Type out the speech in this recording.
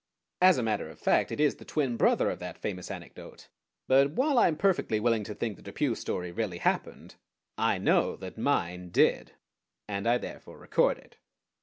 As a matter of fact it is the twin brother of that famous anecdote; but, while I am perfectly willing to think the Depew story really happened, I know that mine did, and I therefore record it.